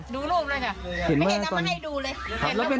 ดูลูกเลยค่ะเห็นมากไม่เห็นแล้วมาให้ดูเลยแล้วเป็น